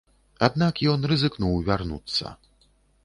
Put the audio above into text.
Аднак ён рызыкнуў вярнуцца.